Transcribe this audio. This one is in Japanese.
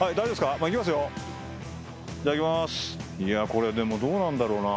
これでもどうなんだろうな。